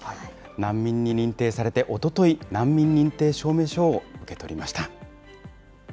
難民に認定されておととい、難民認定証明書を受け取りました。